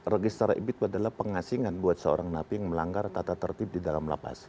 register itu adalah pengasingan buat seorang napi yang melanggar tata tertib di dalam lapas